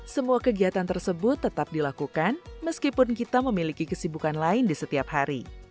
semua kegiatan tersebut tetap dilakukan meskipun kita memiliki kesibukan lain di setiap hari